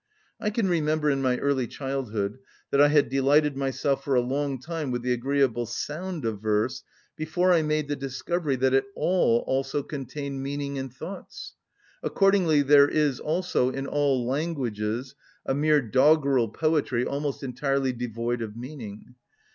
I can remember, in my early childhood, that I had delighted myself for a long time with the agreeable sound of verse before I made the discovery that it all also contained meaning and thoughts. Accordingly there is also, in all languages, a mere doggerel poetry almost entirely devoid of meaning.